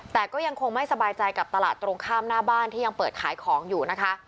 แต่ก็ยังคงไม่สบายใจกับตลาดตรงข้ามหน้าบ้านที่ยังเปิดขายของอยู่นะคะ